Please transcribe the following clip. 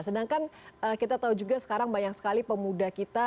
sedangkan kita tahu juga sekarang banyak sekali pemuda kita